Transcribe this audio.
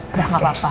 udah gak apa apa